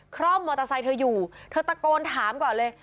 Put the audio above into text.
คล่อมมอเตอร์ไซค์เธออยู่เธอตะโกนถามก่อนเลย